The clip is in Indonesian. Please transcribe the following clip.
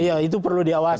ya itu perlu diawasi